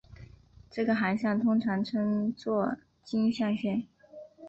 这个航向通常称作径向线。